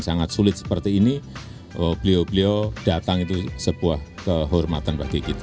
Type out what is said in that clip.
sangat sulit seperti ini beliau beliau datang itu sebuah kehormatan bagi kita